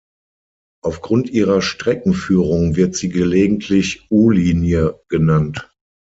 Aufgrund ihrer Streckenführung wird sie gelegentlich U-Linie genannt.